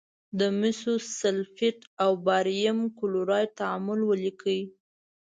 د مسو سلفیټ او باریم کلورایډ تعامل ولیکئ.